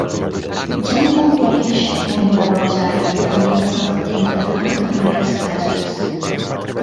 -Ja ningú em coneix!- murmurava el jai, planyent-se entretant amb aires tràgics.